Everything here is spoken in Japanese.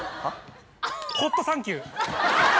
「ホットサンキュー」。